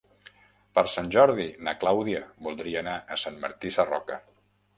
Per Sant Jordi na Clàudia voldria anar a Sant Martí Sarroca.